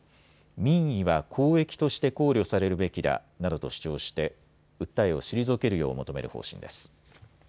民意は公益として考慮されるべきだなどと主張して訴えを退けるよう求める方針です。